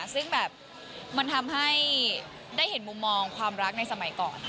ซึ่งแบบมันทำให้ได้เห็นมุมมองความรักในสมัยก่อน